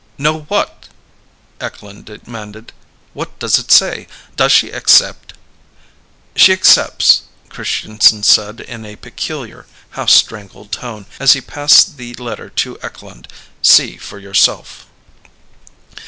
"Know what?" Eklund demanded. "What does it say? Does she accept?" "She accepts," Christianson said in a peculiar half strangled tone as he passed the letter to Eklund. "See for yourself."